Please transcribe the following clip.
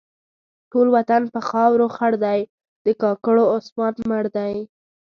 ټول وطن په خاورو خړ دی؛ د کاکړو عثمان مړ دی.